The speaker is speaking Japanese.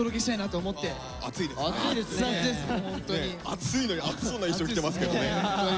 熱いのに暑そうな衣装着てますけどね。